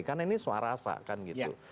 karena ini suara rasa kan gitu